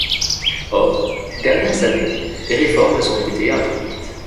Or, ces dernières années, des réformes ont été introduites.